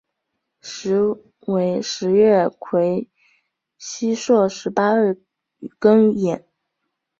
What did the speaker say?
时为十月癸酉朔十八日庚寅。